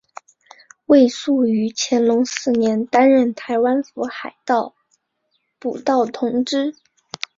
魏素于乾隆四年担任台湾府海防补盗同知。